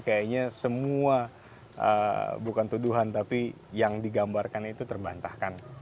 kayaknya semua bukan tuduhan tapi yang digambarkan itu terbantahkan